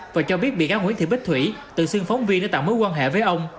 và cho biết bị cáo nguyễn thị bích thủy từ xương phóng viên đã tạo mối quan hệ với ông